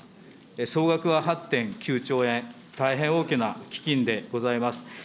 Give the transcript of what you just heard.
総額は８．９兆円、大変大きな基金でございます。